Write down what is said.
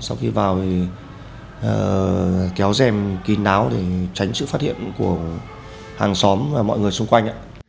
sau khi vào thì kéo dèm kín áo để tránh sự phát hiện của hàng xóm và mọi người xung quanh